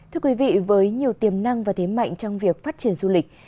thưa quý vị với nhiều tiềm năng và thế mạnh trong việc phát triển du lịch